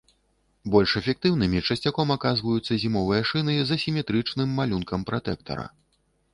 Больш эфектыўнымі часцяком аказваюцца зімовыя шыны з асіметрычным малюнкам пратэктара.